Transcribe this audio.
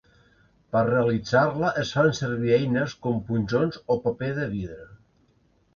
Per realitzar-la, es fan servir eines com punxons o paper de vidre.